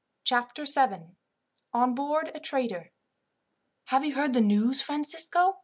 Chapter 7: On Board A Trader. "Have you heard the news, Francisco?